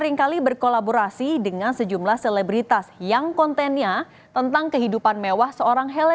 ini marketing sebenarnya kan kerja aku bukan di teller